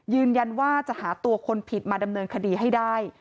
ยืนยันว่าจะหาตัวคนผิดมาดำเนินคดีให้ได้